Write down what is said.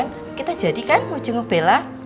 ren kita jadi kan mau jenguk bella